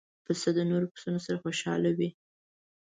پسه د نور پسونو سره خوشاله وي.